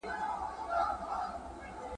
د خپل قام د سترګو توری وي د غلیم په مېنه اور وي `